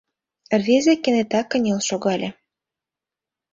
Рвезе кенета кынел шогале.